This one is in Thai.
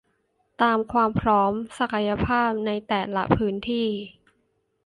ตามความพร้อม ศักยภาพในแต่ละพื้นที่